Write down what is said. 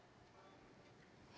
え？